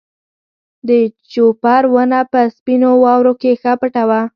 د جوپر ونه په سپینو واورو کې ښه پټه وه.